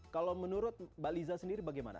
kalau menurut mbak liza sendiri bagaimana